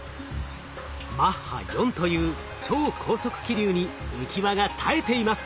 マッハ４という超高速気流に浮き輪が耐えています。